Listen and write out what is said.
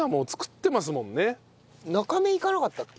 中目行かなかったっけ？